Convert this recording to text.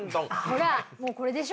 ほらもうこれでしょ。